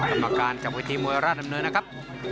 กรรมการจากเวทีมวยราชดำเนินนะครับ